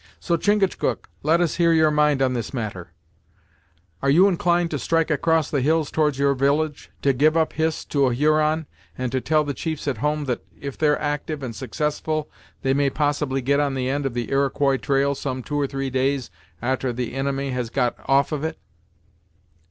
So, Chingachgook, let us hear your mind on this matter are you inclined to strike across the hills towards your village, to give up Hist to a Huron, and to tell the chiefs at home that, if they're actyve and successful, they may possibly get on the end of the Iroquois trail some two or three days a'ter the inimy has got off of it?"